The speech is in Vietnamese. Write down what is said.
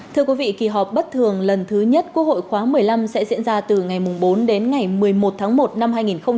thưa quý vị kỳ họp bất thường lần thứ nhất quốc hội khóa một mươi năm sẽ diễn ra từ ngày bốn đến ngày một mươi một tháng một năm hai nghìn hai mươi